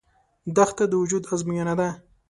دښته د وجود ازموینه ده.